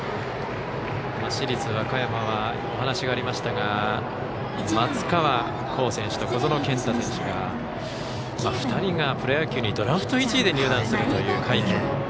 市立和歌山はお話がありましたが松川虎生選手と小園健太選手が２人がプロ野球にドラフト１位で入団するという快挙。